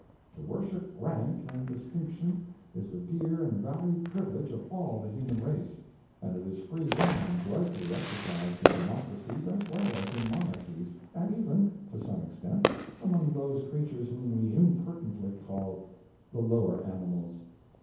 To worship rank and distinction is the dear and valued privilege of all the human race, and it is freely and joyfully exercised in democracies as well as in monarchies and even, to some extent, among those creatures whom we impertinently call the Lower Animals.